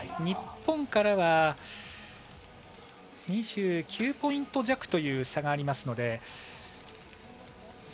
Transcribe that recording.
日本からは２９ポイント弱という差がありますので。